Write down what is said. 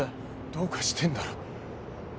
どうかしてんだろ。